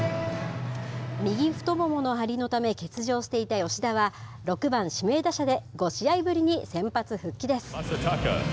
右太ももの張りのため欠場していた吉田は、６番指名打者で５試合ぶりに先発復帰です。